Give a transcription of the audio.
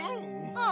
ああ！